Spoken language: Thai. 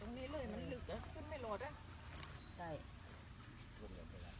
ซึ่งในภาวะราชาจริง